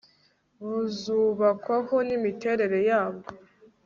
buzubakwaho n imiterere yabwo